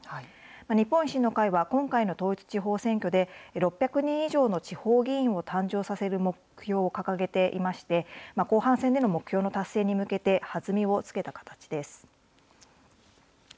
日本維新の会は、今回の統一地方選挙で６００人以上の地方議員を誕生させる目標を掲げていまして、後半戦での目標の達成に向けて、弾みをつけた形です。